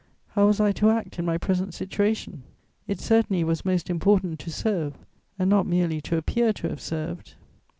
How was I to act in my present situation? It certainly was most important to serve, and not merely to appear to have served....